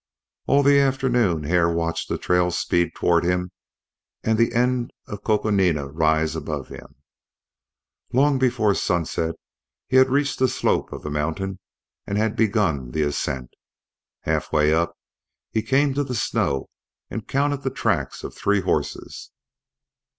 All the afternoon Hare watched the trail speed toward him and the end of Coconina rise above him. Long before sunset he had reached the slope of the mountain and had begun the ascent. Half way up he came to the snow and counted the tracks of three horses.